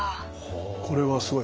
これはすごい。